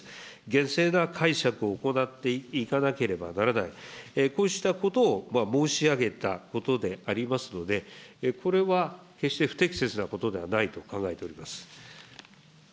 厳正な解釈を行っていかなければならない、こうしたことを申し上げたことでありますので、これは決して不適切なことではないと考えております。